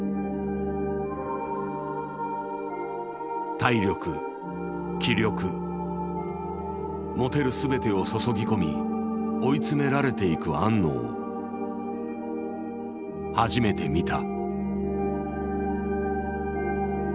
体力気力持てる全てを注ぎ込み追い詰められていく庵野を初めて見た。